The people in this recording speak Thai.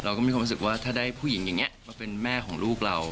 เราก็มีความรู้สึกว่าถ้าได้ผู้หญิงอย่างนี้มาเป็นแม่ของลูกเรา